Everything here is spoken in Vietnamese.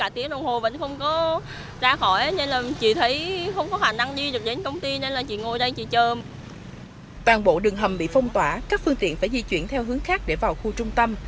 toàn bộ đường hầm bị phong tỏa các phương tiện phải di chuyển theo hướng khác để vào khu trung tâm